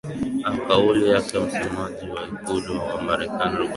aa kauli yake msemaji wa ikulu wa marekani robert kibs akizungumzia